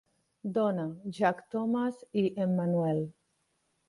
Donna, Jack Thomas i Emmanuel.